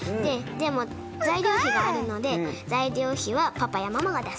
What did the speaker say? でも材料費があるので材料費はパパやママが出す。